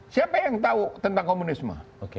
siapa yang tahu tentang komunisme